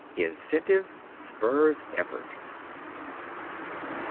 Incentive spurs effort.